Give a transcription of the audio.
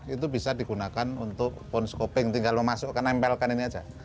itu bisa digunakan untuk ponsel kopeng tinggal memasukkan nempelkan ini saja